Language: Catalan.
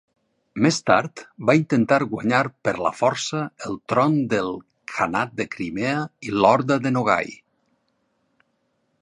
Més tard va intentar guanyar per la força el tron del Khanat de Crimea i l'Horda de Nogai.